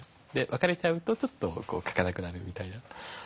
別れちゃうとちょっと書かなくなるみたいな。